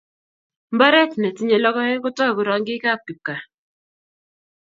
Mbaret ne tinyei logoek ko togu rangikab kipkaa